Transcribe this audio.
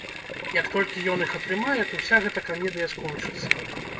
Як толькі ён іх атрымае, то ўся гэта камедыя скончыцца.